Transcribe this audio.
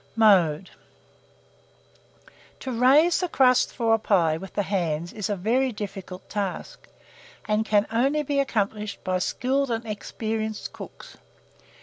Mode. To raise the crust for a pie with the hands is a very difficult task, and can only be accomplished by skilled and experienced cooks.